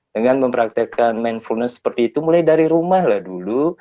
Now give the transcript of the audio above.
dengan mempraktekkan mindfulness seperti itu mulai dari rumah lah dulu